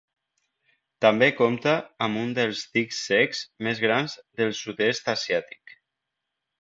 També compta amb un dels dics secs més grans del sud-est asiàtic.